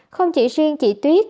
không chỉ riêng chị tuyết